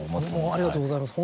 ありがとうございます